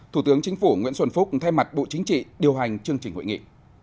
thủ tướng chính phủ nguyễn xuân phúc thay mặt bộ chính trị điều hành chương trình hội nghị